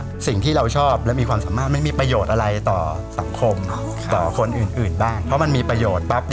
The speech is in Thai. ไปสู่เป้าได้ง่ายขึ้นนะครับ